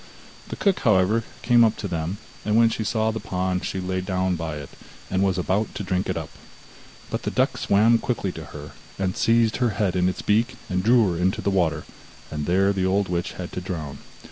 The cook, however, came up to them, and when she saw the pond she lay down by it, and was about to drink it up. But the duck swam quickly to her, seized her head in its beak and drew her into the water, and there the old witch had to drown.